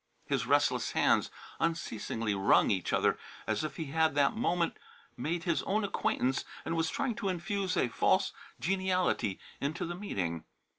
His restless hands unceasingly wrung each other as if he had that moment made his own acquaintance and was trying to infuse a false geniality into the meeting.